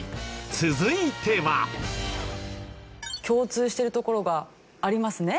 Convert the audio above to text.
続いては。共通しているところがありますね？